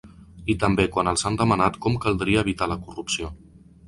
I també quan els han demanat com caldria evitar la corrupció.